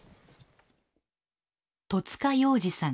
戸塚洋二さん。